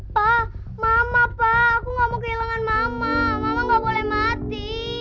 pak mama pak aku gak mau kehilangan mama mama nggak boleh mati